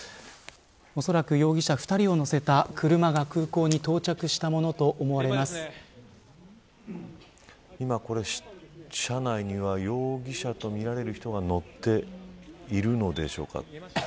おそらく容疑者２人を乗せた車が空港に到着したものと今、車内には容疑者とみられる人が乗っているのでしょうか。